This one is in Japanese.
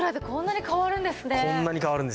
こんなに変わるんですよ。